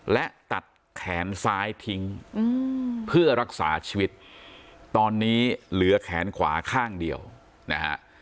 และตัดแขนซ้ายทิ้งเพื่อรักษาชีวิตตอนนี้เหลือแขนขวาข้างเดียวนะฮะ